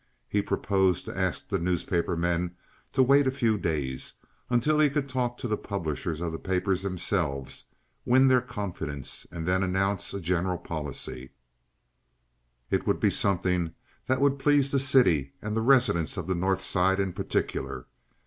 He proposed to ask the newspaper men to wait a few days until he could talk to the publishers of the papers themselves—win their confidence—and then announce a general policy; it would be something that would please the city, and the residents of the North Side in particular.